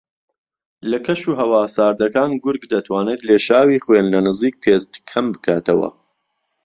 لە کەش و ھەوا ساردەکان گورگ دەتوانێت لێشاوی خوێن لە نزیک پێست کەم بکاتەوە